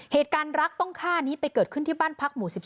เหตุการณ์รักต้องฆ่านี้ไปเกิดขึ้นที่บ้านพักหมู่๑๒